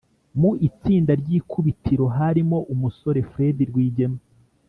mu itsinda ry'ikubitiro harimo umusore fred rwigema,